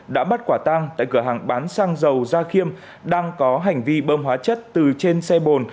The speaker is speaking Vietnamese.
đã bắt quả tang tại cửa hàng bán xăng dầu gia khiêm đang có hành vi bơm hóa chất từ trên xe bồn